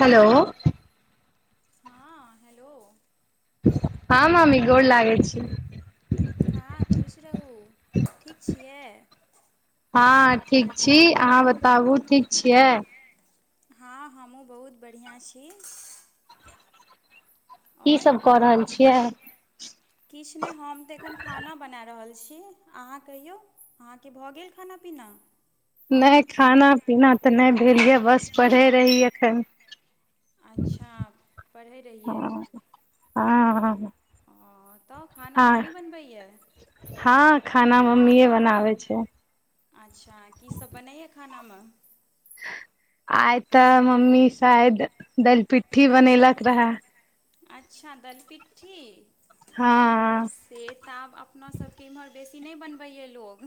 Hello. हां hello. हँ मामी गोर लागै छी। हँ खुश रहू, ठीक छियै। हँ ठीक छी, अहाँ बताबु ठीक छियै। हँ हमहुँ बहुत बढ़िआँ छी। की और सब कऽ खाना रहल खा लेने छियै छीयै। किछु नै हम तऽ एखन खाना बना रहल छी, अहाँ कहियौ अहाँके भऽ गेल खाना- पीना। नै खाना- पीना तऽ नै भेल यऽ बस पढ़ै रही एखन। अच्छा पढ़ै रहियै। हं- हं। हं तऽ खाना मम्मी बनबैये। हँ खाना मम्मीए बनाबै छै। अच्छा की सब बनैये खाना में? आइ तऽ मम्मी शायद दल- पिट्ठी बनेलक रहे। अच्छा दलि- पिट्ठी। हँऽ। से तऽ आब अपना सबके इम्हर बेसी नहि बनबैय ये लोक।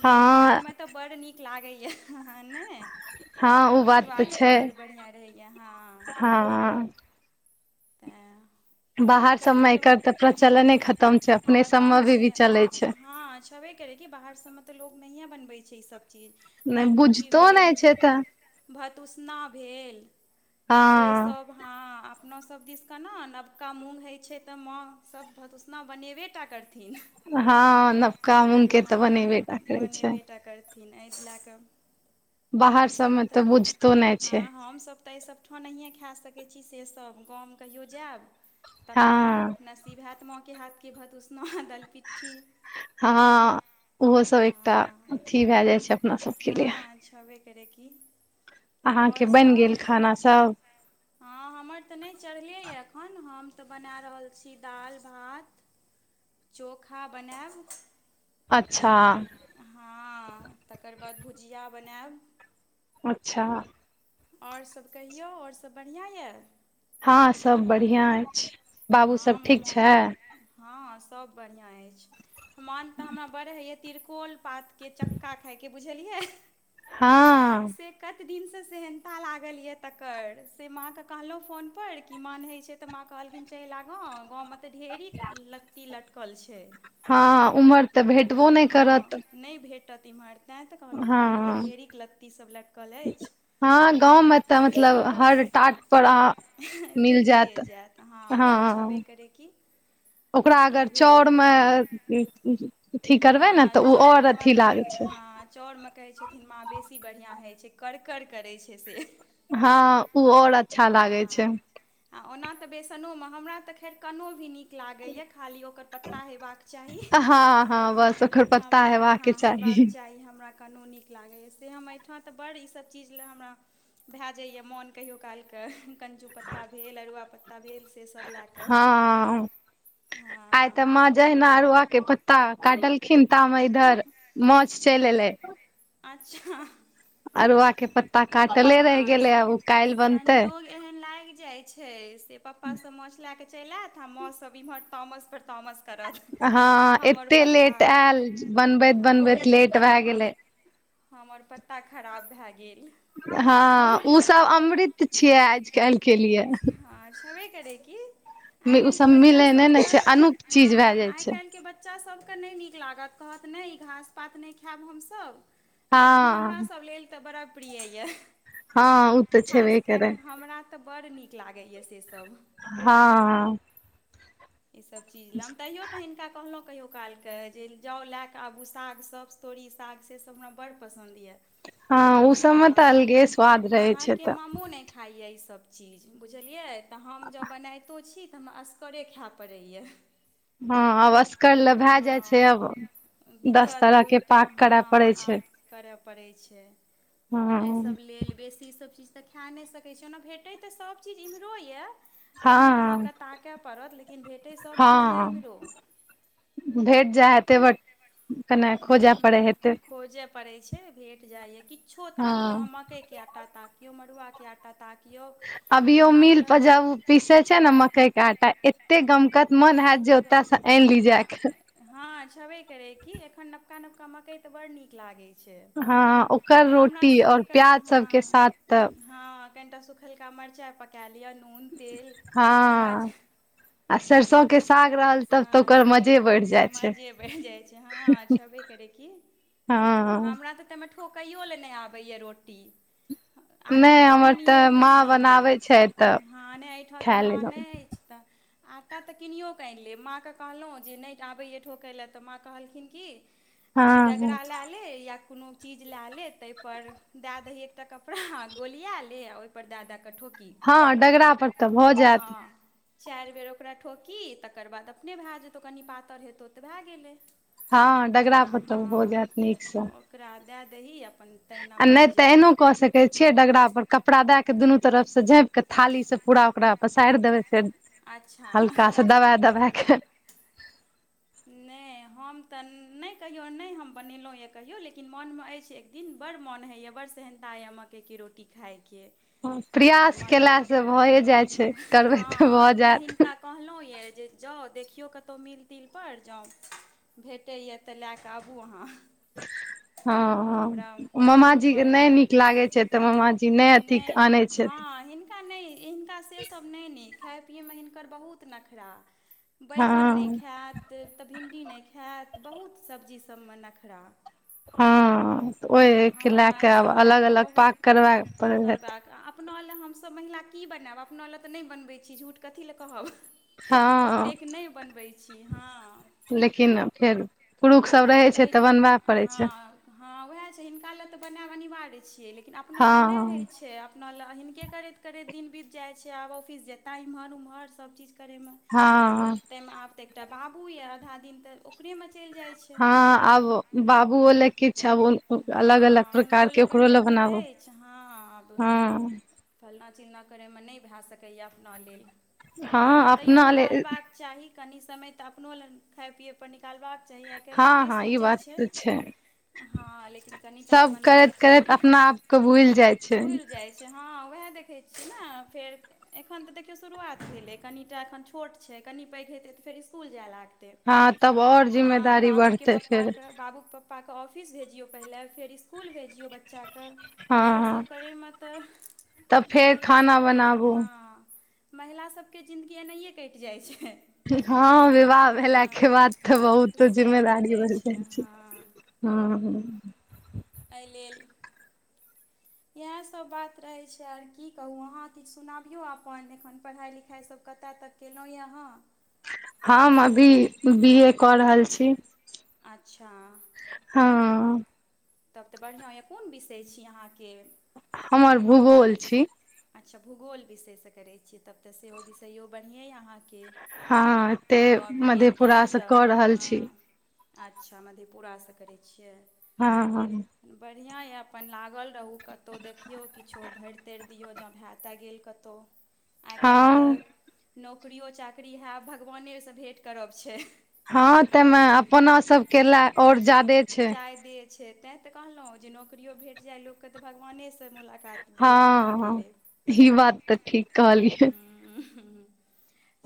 लेकिन हँ खाायमें तऽ बड़ नीक लागै ये हऽ ने। हँ ओ बात स्वाद तऽ छै बड़ बढ़िआँ रहैया हँ। हँ और बाहर सबमे कहियौ एकर तऽ प्रचलने खतम छै अपने सबमे खतम भी छै, भी आ चलै छै हँ छबे कर बाहर सबमें तऽ लोड नहियै बनबै छै, ई सब चीज नहि दालि पिट्ठी बुझतो भेल। नहि छै तऽ भत उसना भेल से हँ सभ हँ अपना सभ सब दिसके ना नबका मूँग होइ छै तऽ, माँ सब भत ऊसना बनेबेटा करथिन। हँ नवका मूँग के हँ तऽ बनेबे टा करै छै। बनेबेटा करथिन एऽ लैकऽ बाहर हम सब सबमे तऽ, बुझतो नहि छै हम सब तऽ। तय सब ठाम नहिए खा सकैत छी से सब, गाम कहियो जायब तखन हँ नसीब हेत माँ के हाथके भत उसना, दलिपिट्ठी। हँ- हॅंओहो सब एकटा हँ अथी भए जाइ छै, अपना सबके लिए। छबे करै कि। अहाँके बनि गेल खाना सब। हँ हमर तऽ नहि चढ़ले ये एखन तक, हम तऽ बना रहल छी दाल, भात चोखा बनायब। अच्छा। हँ तकर बाद भुजिया बनायब। अच्छा! और सब कहियौ और सब बढ़िआँ यऽ। हँ सब बढ़िआँ अछि, बाबू सब ठीक हँ छै। हँ सब बढ़िआँ अछि, मान तऽ हमरा बड़ होइय त्रिकोल पात। के चक्का खायके बुझलियै। हँऽ। से कत दिन सँ सेहनता लागल यऽ तकर, से माँ कहलौं फोन पर कि मन होई छै त माँ कहलखिन चयल आ गाँव में तऽ ढेरी लत्ती लटकल छै। हँ उमहर तऽ भेटबो नै हँ करत। नहि भेटत एम्हर तैं तऽ कहलहुँ, हँ गाँव मे तऽ ढेरिक लत्ती सभ लटकल अछि। हँ गाँवमें तऽ मतलब हर टाट पर आ तऽ मिल भेटिए जायत। से छेबे हँ करै कि ओकरा ई अगर चउर भेल में अथी करबै ने हँ तऽ ऊ और चाउरमे अथी कहै लागै छै। हँ चाउरमे कहै छथिन माँ बेसी बढ़िआँ होइ छै। करकर करै छै से। हां ऊ और अच्छा लागे छै। हँ आ ओना तऽ बेसनो मे, हमरा तऽ खैर कनो भी नीक लागैए। खाली ओकर पत्ता हेबाक चाही। हँ -हँ, बस ओकर पत्ता हमरा हेबाके हां, हेबाक चाही हमरा कनो नीक लागैए। से हम एहिठाम तऽ बड़ ईसभ चीज ले हमरा भए जाइए मोन कहियो कालके। कंजू पत्ता भेल, अरुआ पत्ता भेल से सब लए कऽ। हँ आइ तऽ हँ माँ जहिना अरुआ के पत्ता काटलखिन ता मे इधर माछ चलि एलै। अच्छा ह-ह अरुआ के पत्ता काटले रहि गेलै। आब ओ काल्हि बनतै। ऐहन लाइग जाइ छैय से पप्पा सब माछ लए के चैल आएत आ मोस अभी [unintelligible] तमस पर तमस। हाँ एत्ते लेट आयल। हँ बनबैत-बनबैत लेट भए गेलै। हमर पत्ता खराब भए गेल। हाँ उ सब अमृत छियै आज-केयल के लिए। हाँ छबे करै कि? आइ ओ काइलके सब बच्चा मिलै नहि ने सबके, छै अनूप चीज भए हाँ जाइ आइ छै काइलके बच्च बच्चा सभके नै नीक लागत, कहत नै ई घास-पात नै खाएब हमसब। लेकिन हँ हमरासब लेल तऽ बड़ा प्रिय ये। हँ ओ तऽ छेबे खास कै करै कऽ हमरा तऽ बड़ नीक लागैया से सब। हं-हं। ई सब चीज लम, तहियो तऽ हिनका कहलौं कहियो कालके जे जाउ लए कऽ आगू सागसब, तोरी साग सेसब हमरा बड़ पसन्द या। हँ ओ सबमे तऽ हाँ, अलगे स्वाद रहै छै अहाँके तऽ मामो नेय खाइया ई सब चीज। बुझलियै तऽ हम जँ बनैतो छी तऽ हम अस गरे खए पड़ैया। हाँ, अब असगर लए भए जाइ छै हँ अब। दिक्कत दूइटा, हाँ छै आब करेय पड़ै छैय। हँ ऐसब लेल। बेसी ईसब चीज तऽ खए नै सकै छी। ओना भेटै तऽ सब चीज इम्हरो यऽ कनिक हँ अहाँके ताक केय पड़त। लेकिन भेटय सभ चीज या हँ इम्हरो। भेट जाए हेतै बट कने खोजय पड़ै हेतै। परे छैय भेंट जाए या किच्छो ताकिय हँ हम अहांके के आटा ताकियौ, मड़ुवाके आटा ताकियौ अभियो मिल अहाँके पर जब पीसै छैय ने मकई के आटा एत्ते गमकत मन हायत जे [unintelligible] सा आऐन ली जाके। हाँ छबे करे की। एखैन नवका-नवका मकई तऽ बड़ नीक लागेय हाँ ओकर रोटी और प्याज सबके साथ तऽ हाँ कनिटा सुखेलका मरचाइ पका लिअ। नून, तेल, प्याज हँ आ सरसो के साग रहल तब तऽ ओकर मजे बढ़ि जाइ [unintelligible] छै मजे बढ़ जाइ छै। हाँ छबे करै कि की हां-हां। ठोकयौ ला नेय आबै या रोटी आटा नहि तऽ हमर किनीयौ कऽ माँ आनि लेब बनाबै छै तऽ हाँ नेय एहठाम तऽ खा माँ लेलहुँ नेय छै तऽ। आटा तऽ किनियोऽ कऽ आएन लेब माँकेँ कहलौ जे नेय आबै या ठोके ला तऽ माँ कहलखिन की जे हँ डगरा हँ ला ले या कोनो चीज ला ले तेए पर दा दही एकटा कपड़ा गोलिया ले ओए पर दा-दा कऽ ठोक। हाँ डगरा पर तऽ भऽ जायत। चार बार ओकरा ठोकी तकर बाद अपने भाए जेतौ कनि पातर हेतौ तऽ भा गेलै। हाँ डगरा ओकरा पर हँ तऽ भऽ जायत नीक से। ओकरा दा दही अपन तहिना नेय भए तऽ जेतौ ऐनौ कऽ सकै कहे छिये डगरा पर कपड़ा दाय के दुनू तरफ से झाँप के थाली से पूरा ओकरा पसार देबे फेर। अच्छा हल्का सा दबा-दबा के नहि हम तऽ नेय कहियो नेय हम बनेलौं या कहियौ लेकिन मन मे ऐछ एक दिन बड़ मन हैइया बड़ सह ता या मक्कै के रोटी खायके। अ प्रयास मक्कै केला से भए जाइ छै करबै तऽ हाँ भऽ तैं जायत हिनका कहलौं या जे जाउ देखियो कतौ मिल तिल पर जाउ भेटैए तऽ लए कऽ आबू अहाँ। हँ हमरा हँ। मामाजीे के बड़ नहि नीक लागैत छैय तऽ मामाजी नहि अथी आनैत छथि। हिनका नहि हिनका सेसभ नहि नीक खाय पियैमे हिनकर बहुत नखरा। हँ बैगन नहि खायत तऽ भिण्डी नहि खायत बहुत सब्जी सभमे नखरा। हँ तऽ हँ ओहिके हमरा लए कऽ आब इसभ लए अलग कऽ अलग बहुत पाक करबय पड़ै पकड़ हेतै बाक अपना लए हमसभ महिला की बनायब अपना लए तऽ नहि बनबै छी झूठ कथी लए कहब। हँ ओतेक नहि बनबै छी हँ। लेकिन फेर पुरुष सब रहै छैय कहै तऽ बनबय पड़ैत छैय। हँ हँ उएह छैय हिनका लए तऽ बना अनिवार्य छियै लेकिन अपना हँ लए नहि होइ छैय। अपना लए हिनके करैत करैत दिन बीत जाइ छै आब ऑफिस जेतै इम्हर ओम्हर सब चीज करैमे। हँ। ताहिमे आब तऽ एकटा बाबू यऽ आधा दिन तऽ ओकरे मे चल जाय हँ आब बाबूओ लऽ किछु अलग-अलग हँ प्रकार हुनको के ओकरो लए बनबय पड़ै बनाबो अछि हँ आब हँ। फलना चिलना करैमे नहि भए सकैए अपना लेल लेकिन हँ तैयो अपना ले निकालबाक ची कनी समय तऽ अपनो ल खााय पियै पर निकाल चाही आइ काल्हि हँ नहि हँ ई सोचैत बात छै तऽ छैय। हँ लेकिन कनि टा तऽ सभ बनबाक करैत करैत चाही अपना आपके भुलि जाइ छैय। भुलि जाइत हँ उएह देखै छियै ने फेर एखन तऽ देखियौ शुरुआत भेलै कनिटा एखन छोट छैय कनि पैघ हेतै तऽ फेर स्कुल जाय लागै हँ तब आओर ज़िम्मेदारी बढ़तै फेर। बाबू के पप्पाके ऑफिस भेजियौ पहिले फेर इसकुल भेजियौ बच्चाके। हँ सेसभ हँ करयमे तऽ तब फेर महिला खाना सभके बनाबू हँ। महिलाास सभके जिन्दगी एनाहिए कटि जाइ छैय। हँ विवाह भेलाके बाद तऽ बहुत सएह भऽ जिम्मेदारी जाइत बनि छै जाइ छैय। हँ हु हु। एइ लेल। इहासभ बात रहैत छै आर की कहू अहाँ किछु सुनाबियौ अपन एखन पढ़ाइ लिखाइसभ कतय तक केनहु या अहाँ। हम अभी बी ए कऽ रहल छी। अच्छा हँ। तब तऽ बढ़िआँ यऽ कोन विषय छी अहाँके? हमर भूगोल छी। अच्छा भूगोल विषयसँ करैत छियै तब तऽ सेहो विषयो बढ़िएँ यए अहाँके। हँ एते आगाँ बी ए कए मधेपुरा से लिअ कऽ रहल हँ। छी अच्छा मधेपुरासँ करै छियै। हँ हँ। बढ़िया या अपन लागल रहु कतहु देखियौ किछो भरि तेरि दियौ जँ भए तए गेल कतहु आइ काल्हि हँ तऽ नौकरियो चाकरी हैब भगवानेसँ भेँट करब छै। हँ तइ मे अपना सबके लए आओर जादे छै। जायदे छै तैं तऽ कहलहुँ जे नौकियो भेट जाय लोकके तऽ भगवानेस मुलाकात भेल हँ हँ ई बात तऽ ठीक कहलियै। ह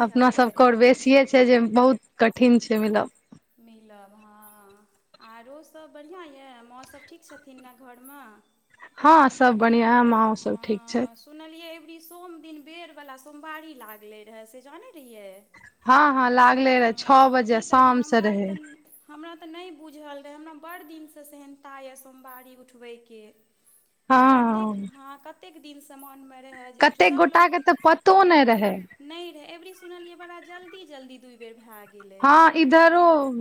अपनासब के और बेसिये छै जे बहुत कठिन छै मिलब। मिलब हँ। आरोसभ बढ़िआँ या माँसभ ठीक छथिन ने घरमे। हँ सब बढ़िया माँओ सब ठीक छै। हँ सुनलियै अबरी सोम दिन बेर बला सोमवारी लागलै रहै से जानै रहियै? हँ हँ लागले रहा छओ अँ, बजे की कही शाम से हमरा रहे। तऽ हमरा तऽ नहि बुझल रहै हमरा बड़ दिन स सेहनता यऽ सोमवारी उठबै के। कतेक हँ हँ कतेक दिन स मोन मे कतेक गोटा के तऽ पतो नहि रहै। न रहे अबरी सुनलिये बड़ा जल्दी जल्दी दूइ बेर भए गेले। हँ इधर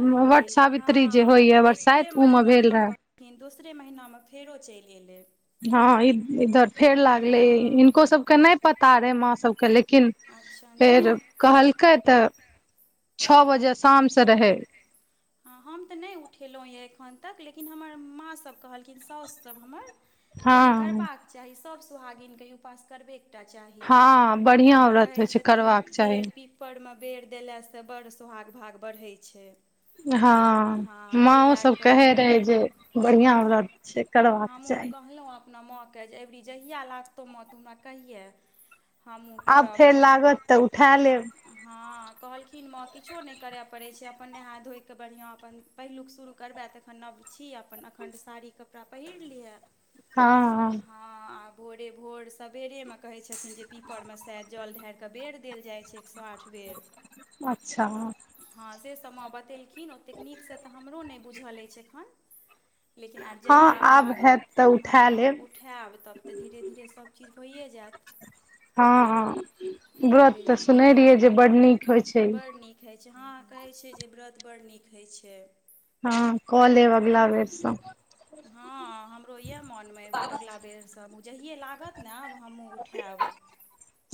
एहि लेल हँ एके बरसाइत ओ मे महीना भेल म रहे क [unintelligible] दोसरे महिना में फेरो चलि एलै। हँ इधर फेर लागलै हँ हीनको सबके नहि पता रहे माँ सभके लेकिन अच्छा नहि कैतऽ छ बजे शाम स रहै। हँ हम तऽ नहि उठेलहुँ यए एखन तक लेकिन हमर माँ सभ कहलखिन साउसु सभ हमर जे नहि हँ करबाक चाही सभ सोहागिने ई उपास करबेक टा चाही हँ बढ़िया हँ व्रत कहय होइ छै छथिन करबाक चाही बेर पिप पर में बेर देलासँ बडड सुोहाग भाग बढ़ै छै। हँ एहि माँओ लए सब कऽ कहे रहे जे बढ़िया हँ व्रत छै। करबाक हमहूँ चाही कहलहुँ अपना माँ के जे अइबेरी जहिया लागतहु माँ तू हमरा कहिया। आब फेर लागत तऽ उठा लेब। हँ कहलखिन माँ किछो नहि करऽ पड़ैत छै। अपन नहा धोइकेऽ बढ़िआँ अपन, पहिलुक शुरू करबै तऽ एखन नब छी, अपन अखन साड़ी के ओकरा पहिर लिहे। हँ। हँ आ भोरे भोर सबेरे में कहै छथिन जे पीपर में से जल ढारिकऽ बेर देल जाइ छै। साठ बेर। अच्छा। हँ से सभ माँ बतेलखिन ओतेक नीक से तऽ हमरो नहि बुझल अछि एखन लेकिन आब हँ जहिया आब हैत लागत, तऽ उठा हँ। लेब उठायब तब तऽ धीरे धीरे सभ चीज भइए जायत। हँ हं, एहि गप लेल तऽ सुनने रहियै जे बड नीक होइ छै। कहै छै, हँ कहै छै जे व्रत बड़ नीक होइत छै। हँ क लेब अगला हँ बेर से। हँ हमरो इएह मोन मे अइ जे गिला बेरसँ हम, जहिए लागत ने हमहूँ उठायब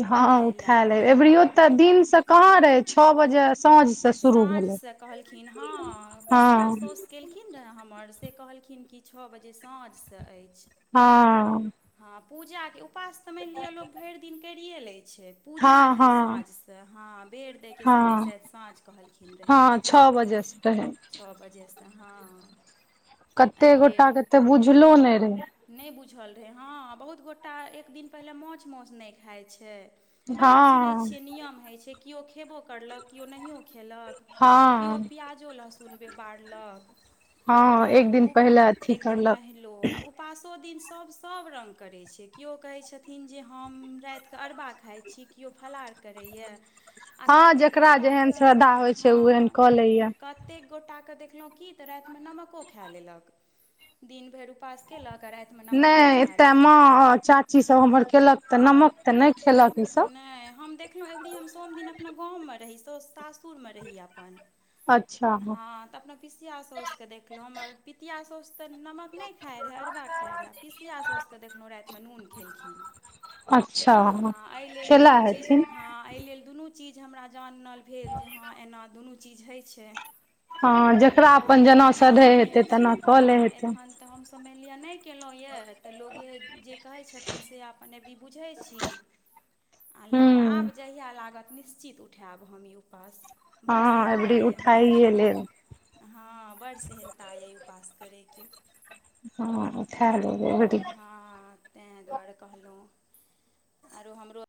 हँ एहि लए उठाय लेबै, कऽ ऐबेरियो तऽ दिन से कहाँ रहै, छओ बजे साँझ से साँझ स कहलखिन हँ, पिसिया हँ सौस केलखिन रहे हमर से कहलखिन कि छओ बजे साँझ से अछि। हँ। हँ पूजा के, उपास तऽ मानि लिअ लोक भरि दिन करिए लैत छै, हँ पूजा रहै हँ साँझ से त हाँ बेर दै के समय हँ शायद सांझ कहलखिन रहै। हँ छओ बजेसँ रहै छ बजे से हँ। कते एहि गोटा लेल के ते बुझलो नै रहै। नहि बुझल रहै हँ बहुत गोटा एक दिन पहिले माछ मौस नै खाइ छै बहुत सुनै हँ छियै नियम होइत छै, किओ खयबो केलक किओ नहिओ खेलक। किओ हँ प्याजो लहसुन बे बारलक। हँ आरो एक दिन पहिले अथी एक दिन करलक पहिलेओ, आ उपासो दिन सभ सभ रंग करै छै केओ कहै छथिन जे हम राति कऽ अरबा खाइ छी कियो फलहार करैए हँ कतेक जेकरा जेहन गोटाके श्रद्धा होइ छै हँ ओहन कऽ लैये। कतेक गोटाके देखलहुँ की तऽ रातिमे नमको खा लेलक। दिन भरि उपास केलक आ रातिमे नमक एते माँ चाची सब हमर केलक तऽ नमक तऽ नहि खेलक। ई सब नहि हम देखलहुँ अबरी हम सोम दिन अपना गाममे रही, सासुरमे रही अपन। हँ तऽ अपना पसिया सौसके देखलहुँ, हमर पितिया सौस तऽ नमक नहि खाए रहै अरवा खाए रहै आ पिसिया सौस के देखलहुँ रातिमे नून खेलखिन। अच्छा। हँ एहि लेल खेला दुनू चीज हेथिन हँ एहि लेल दुनू चीज हमरा जानल भेल जे हँ एना दुनू चीज होइत छै। हँ जेकरा अपन जेना हँ सधै इएह होइ हेतै छै तेना कऽ लै हँ हेतै। एखन तऽ हमसभ मानि लिअ नहि केलहुँ ये तऽ लोगे जे कहै छथि न से अपन अबरी बुझै छी आ लेकिन आब हूँ जहिया लागत निश्चित उठायब हम ई उपास। बड़ हँ सेहन्ता एबरी यए हमरा उठाइये लेब। हँ बड सेहंता अइ ई उपास करै के। हँ खा लेबाय [unintelligible] तैँ दुआरे कहलहुँ। आरो हमरो